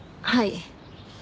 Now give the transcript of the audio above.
はい。